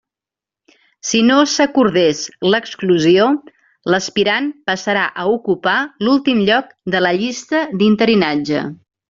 Si no s'acordés l'exclusió, l'aspirant passarà a ocupar l'últim lloc de la llista d'interinatge.